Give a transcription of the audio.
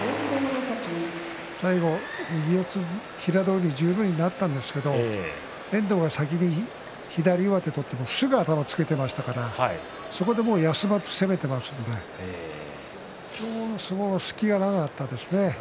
最後、右四つ平戸海、十分になったんですけど遠藤が先に左上手を取ってすぐに頭をつけていましたからそこでもう休まず攻めていますので今日の相撲は隙がなかったですね。